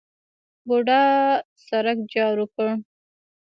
بوډا سرک جارو کاوه.